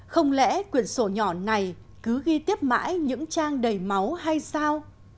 không lẽ quyền sổ nhỏ này cứ ghi tiếp mãi những trang đầy máu hay sao